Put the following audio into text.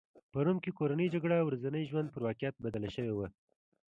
په روم کې کورنۍ جګړه ورځني ژوند پر واقعیت بدله شوې وه